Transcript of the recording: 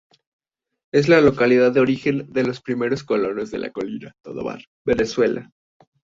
Es la localidad de origen de los primeros colonos de la Colonia Tovar, Venezuela.